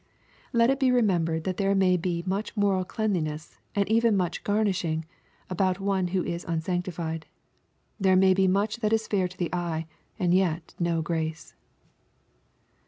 Let it be remembered that there may be much moral cleanli * ness, and even much *' garnishing," about one who is unsanctified. There may be much that is fair to the eye, and yet no grace.